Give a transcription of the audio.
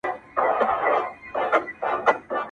سم له واکه تللی د ازل او د اسمان یمه -